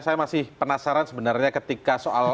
saya masih penasaran sebenarnya ketika soal